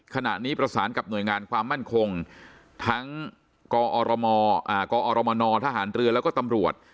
ขณะนี้ประสานกับหน่วยงานความมั่นคงทั้งกอรมนทหารเรือแล้วก็ตำรวจ